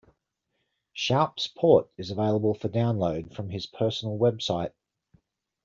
Shoup's port is available for download from his personal website.